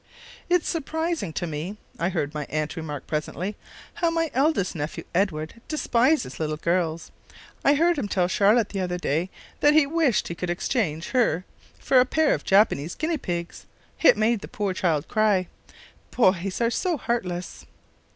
"It's surprising to me," I heard my aunt remark presently, "how my eldest nephew, Edward, despises little girls. I heard him tell Charlotte the other day that he wished he could exchange her for a pair of Japanese guinea pigs. It made the poor child cry. Boys are so heartless!"